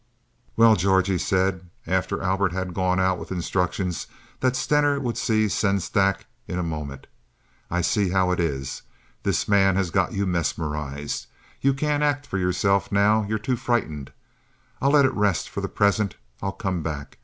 "Well, George," he said, after Albert had gone out with instructions that Stener would see Sengstack in a moment. "I see how it is. This man has got you mesmerized. You can't act for yourself now—you're too frightened. I'll let it rest for the present; I'll come back.